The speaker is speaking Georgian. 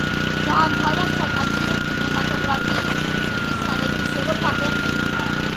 დაამთავრა საკავშირო კინემატოგრაფიის ინსტიტუტის სარეჟისორო ფაკულტეტი.